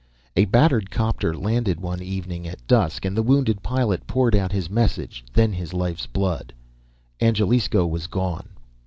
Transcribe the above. A battered 'copter landed one evening at dusk, and the wounded pilot poured out his message, then his life's blood. Angelisco was gone.